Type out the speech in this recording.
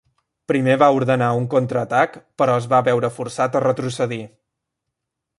Primer va ordenar un contraatac, però es va veure forçat a retrocedir.